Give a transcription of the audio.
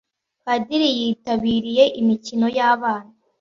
Padiri yitabiriye imikino yabana.